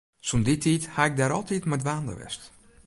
Sûnt dy tiid ha ik dêr altyd mei dwaande west.